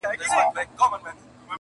نه یې څه پیوند دی له بورا سره،